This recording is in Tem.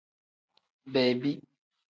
Bebi.